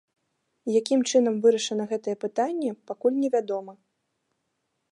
Якім чынам вырашана гэтае пытанне, пакуль невядома.